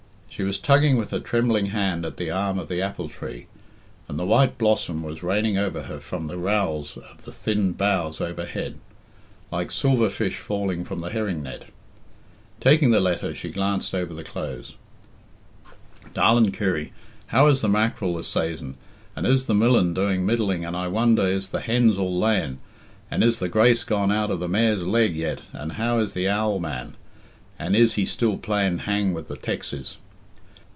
She was tugging with her trembling hand at the arm of the apple tree, and the white blossom was raining over her from the rowels of the thin boughs overhead, like silver fish falling from the herring net. Taking the letter, she glanced over the close "darlin Kirry how is the mackral this saison and is the millin doing middling and I wonder is the hens all layin and is the grace gone out of the mares leg yet and how is the owl man and is he still playin hang with the texes.